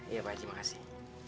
iya pak terima kasih